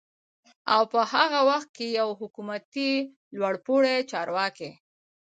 او په هغه وخت کې يوه حکومتي لوړپوړي چارواکي